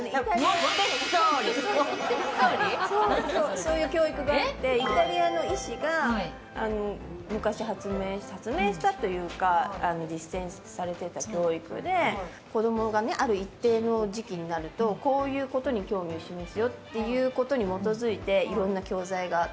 そういう教育があってイタリアの医師が昔発明したというか実践されてた教育で子供がある一定の時期になるとこういうことに興味を示すよみたいなことに基づいていろんな教材があって。